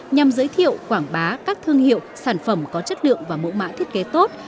nhằm giới thiệu quảng bá các thương hiệu sản phẩm có chất lượng và mẫu mã thiết kế tốt